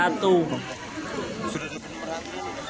sudah setengah satu